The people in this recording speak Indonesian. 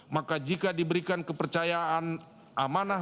maka jika diberikan kepercayaan amanah